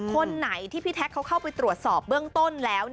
คนไหนที่พี่แท็กเขาเข้าไปตรวจสอบเบื้องต้นแล้ว